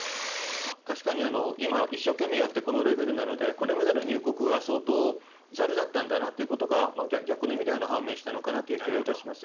確かに今、一生懸命やってこのレベルなのでこれまでの入国は相当ざるだったんだなというのが逆の意味で判明したという気がします。